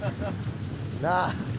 なあ？